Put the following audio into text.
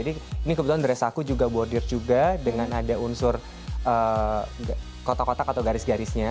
ini kebetulan dres aku juga bordir juga dengan ada unsur kotak kotak atau garis garisnya